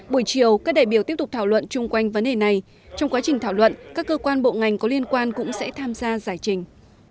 buổi chiều các đại biểu tiếp tục thảo luận chung quanh vấn đề này trong quá trình thảo luận các cơ quan bộ ngành có liên quan cũng sẽ tham gia giải trình